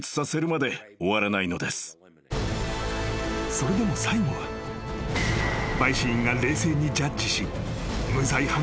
［それでも最後は陪審員が冷静にジャッジし無罪判決が下りた］